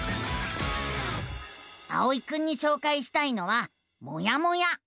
あおいくんにしょうかいしたいのは「もやモ屋」。